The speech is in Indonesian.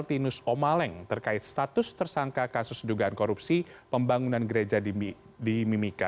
martinus omaleng terkait status tersangka kasus dugaan korupsi pembangunan gereja di mimika